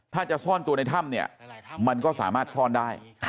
ถ้าจะซ่อนตัวในถ้ำเนี่ยมันก็สามารถซ่อนได้